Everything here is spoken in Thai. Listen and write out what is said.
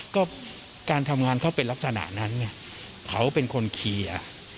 ก็การทำงานเขาเป็นลักษณะนั้นไงเขาเป็นคนเคลียร์